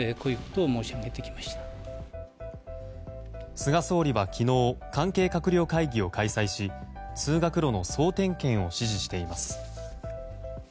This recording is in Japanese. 菅総理は昨日関係閣僚会議を開催し通学路の総点検を指示しています。